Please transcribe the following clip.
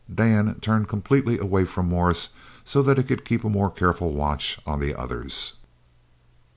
Dan turned completely away from Morris so that he could keep a more careful watch on the others.